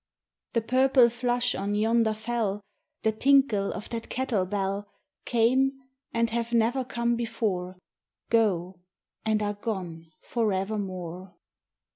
The purple flush on yonder fell, The tinkle of that cattle bell, Came, and have never come before, Go, and are gone forevermore.